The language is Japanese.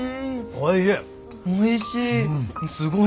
おいしい。